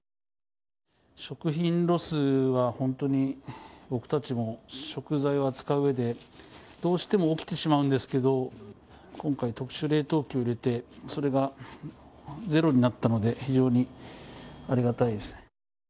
食品ロスは、本当に僕たちも食材を扱ううえで、どうしても起きてしまうんですけど、今回、特殊冷凍機を入れて、それがゼロになったので、非常にありがたいですね。